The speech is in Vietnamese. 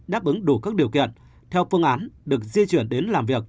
đáp ứng đủ các điều kiện theo phương án được di chuyển đến làm việc